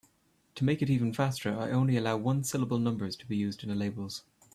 To make it even faster, I only allow one-syllable numbers to be used in labels.